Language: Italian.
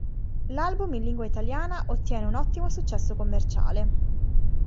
L'album in lingua italiana ottiene un ottimo successo commerciale.